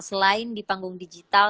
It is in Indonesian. selain di panggung digital